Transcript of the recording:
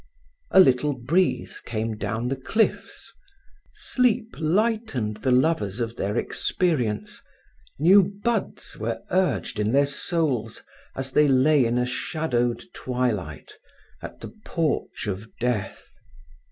A little breeze came down the cliffs. Sleep lightened the lovers of their experience; new buds were urged in their souls as they lay in a shadowed twilight, at the porch of death.